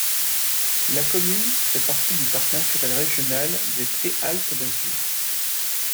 La commune fait partie du Parc naturel régional des Préalpes d'Azur.